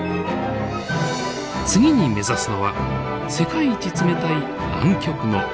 次に目指すのは世界一冷たい南極の海。